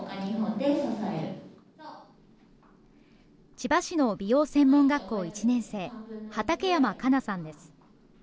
千葉市の美容専門学校１年生、畠山香奈さんです。